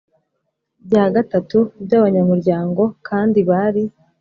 Bya gatatu by abanyamuryango kandi bari